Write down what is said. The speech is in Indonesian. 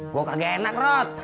gue kagak enak rod